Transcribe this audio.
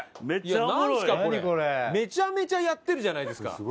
めちゃめちゃやってるじゃないですか！